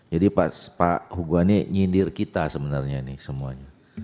jadi pak hugo ini nyindir kita sebenarnya ini semuanya